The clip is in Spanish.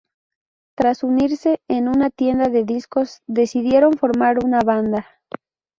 Tras reunirse en una tienda de discos decidieron formar una banda.